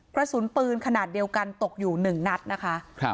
กระสุนปืนขนาดเดียวกันตกอยู่๑นัดนะคะ